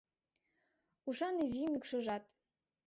Ушан изи мӱкшыжат